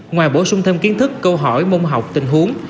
ngoài bổ sung thêm kiến thức câu hỏi môn học tình huống